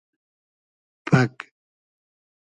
پئگ